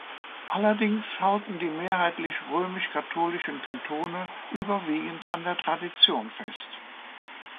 Allerdings halten die mehrheitlich römisch-katholischen Kantone überwiegend an der Tradition fest.